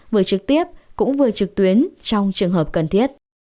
vừa trực tiếp cũng vừa trực tuyến trong trường hợp cần thiết